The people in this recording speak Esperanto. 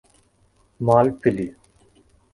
malpli